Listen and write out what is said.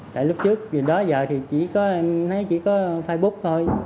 tại lúc trước gì đó giờ thì chỉ có em thấy chỉ có facebook thôi